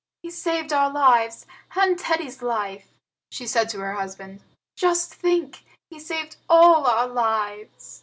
"He saved our lives and Teddy's life," she said to her husband. "Just think, he saved all our lives."